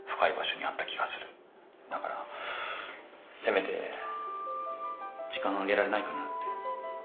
だからせめて時間あげられないかなって。